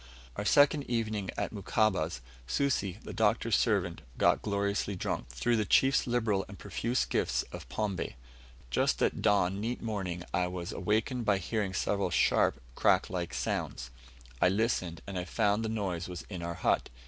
Our second evening at Mukamba's, Susi, the Doctor's servant, got gloriously drunk, through the chief's liberal and profuse gifts of pombe. Just at dawn neat morning I was awakened by hearing several sharp, crack like sounds. I listened, and I found the noise was in our hut.